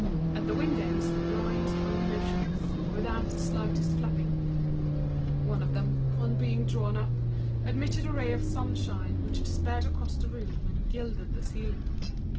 At the windows the blinds hung motionless, without the slightest flapping. One of them, drawn up, admitted a ray of sunshine which traversed the room and gilded the ceiling.